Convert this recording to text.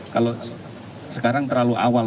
kalau sekarang terlalu awal